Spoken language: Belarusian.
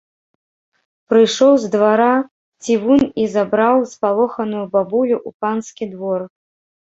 Прыйшоў з двара цівун і забраў спалоханую бабулю ў панскі двор.